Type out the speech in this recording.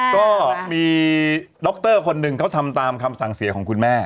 ก็มีดรคนหนึ่งเขาทำตามคำสั่งเสียของคุณแม่